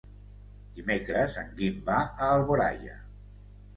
Dimecres en Guim va a Alboraia.